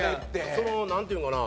そのなんていうのかな。